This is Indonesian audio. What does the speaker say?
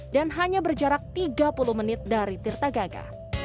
dan hanya berjarak tiga puluh menit dari tirta gangga